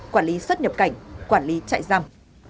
quản lý xuất nhập cảnh quản lý chạy giam